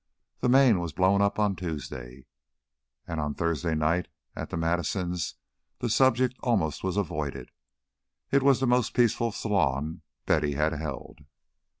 The Maine was blown up on Tuesday, and on Thursday night at the Madisons' the subject almost was avoided; it was the most peaceful salon Betty had held.